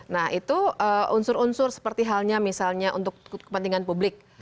nah itu unsur unsur seperti halnya misalnya untuk kepentingan publik